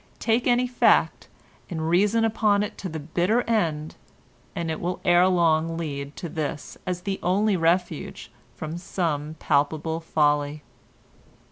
Take any fact, and reason upon it to the bitter end, and it will ere long lead to this as the only refuge from some palpable folly.